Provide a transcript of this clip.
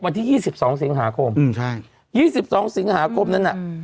วันที่ยี่สิบสองสิงหาคมอืมใช่ยี่สิบสองสิงหาคมนั้นน่ะอืม